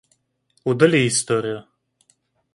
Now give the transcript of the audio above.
Удали историю